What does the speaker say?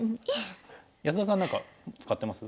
安田さん何か使ってます？